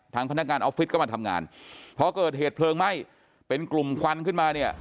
พนักงานออฟฟิศก็มาทำงานพอเกิดเหตุเพลิงไหม้เป็นกลุ่มควันขึ้นมาเนี่ย